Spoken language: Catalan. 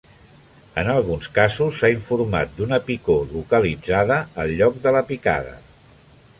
En alguns casos, s'ha informat d'una picor localitzada al lloc de la picada.